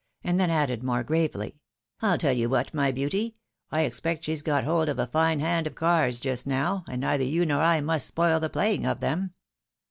And then added, more gravely, " I'U teU you what, my beauty, I expect she's got hold of a fine hand of cards just now, and neither you nor I must spoil the playing of them."